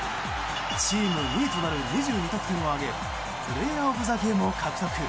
チーム２位となる２２得点を挙げプレーヤー・オブ・ザ・ゲームを獲得。